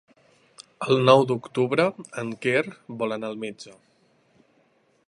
El nou d'octubre en Quer vol anar al metge.